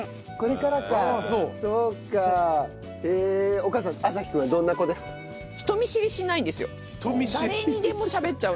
お母さん朝輝君はどんな子ですか？